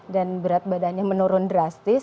dan berat badannya menurun drastis